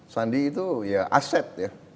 sandi itu aset